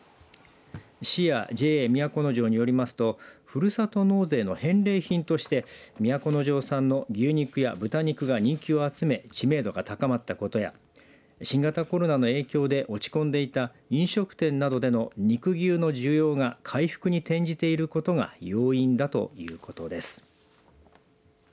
市やＪＡ都城によりますとふるさと納税の返礼品として都城産の牛肉や豚肉が人気を集め知名度が高まったことや新型コロナの影響で落ち込んでいた飲食店などでの肉牛の需要が回復に転じていることが要因だということです。